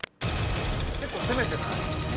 結構攻めてない？